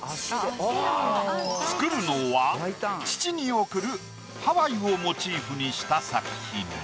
作るのは父に贈るハワイをモチーフにした作品。